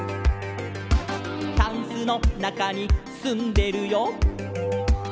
「タンスのなかにすんでるよ」